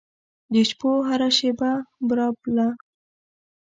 د شپو هره شیبه برالبه